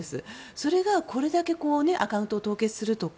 それが、これだけアカウントを凍結するとか